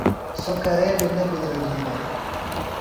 سوۡ کرے بیۡ نہ بِدرَگی دےۡ۔